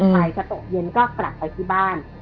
ไปจะตกเย็นก็กลับไปที่บ้าน